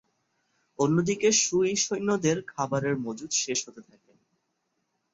অন্যদিকে সুই সৈন্যদের খাবারের মজুদ শেষ হতে থাকে।